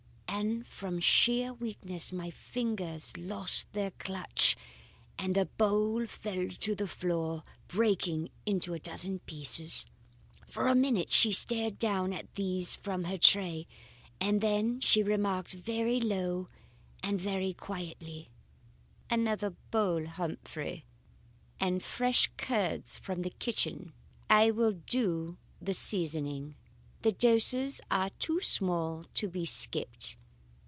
And from sheer weakness my fingers lost their clutch, and the bowl fell to the floor, breaking into a dozen pieces. "For a minute she stared down at these from over her tray, and then she remarked very low and very quietly: "'Another bowl, Humphrey, and fresh curds from the kitchen. I will do the seasoning. The doses are too small to be skipped.